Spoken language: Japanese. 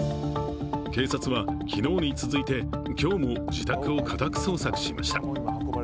警察は昨日に続いて今日も自宅を家宅捜索しました。